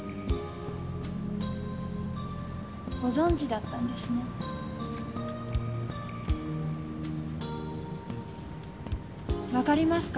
ご存じだったんですね。わかりますか？